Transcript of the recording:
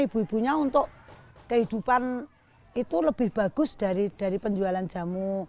ibu ibunya untuk kehidupan itu lebih bagus dari penjualan jamu